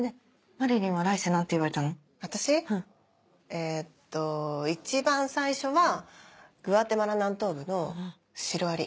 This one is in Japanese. えっと一番最初はグアテマラ南東部のシロアリ。